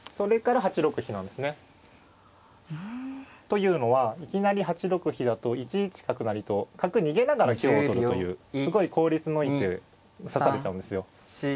というのはいきなり８六飛だと１一角成と角逃げながら香を取るというすごい効率のいい手指されちゃうんですよ。